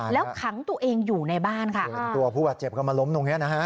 แล้วขังตัวเองอยู่ในบ้านค่ะส่วนตัวผู้บาดเจ็บก็มาล้มตรงเนี้ยนะฮะ